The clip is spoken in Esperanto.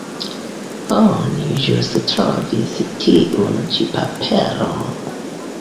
Oni ĵus trovis tiun ĉi paperon.